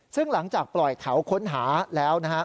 ซึ่งหลังจากปล่อยแถวค้นหาแล้วนะฮะ